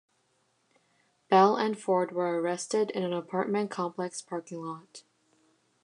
Bell and Ford were arrested in an apartment complex parking lot.